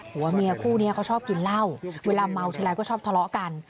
หัวเมียคู่นี้เขาชอบกินเหล้าเวลาเมาทีไรก็ชอบทะเลาะกัน